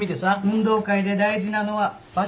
運動会で大事なのは場所取りだから。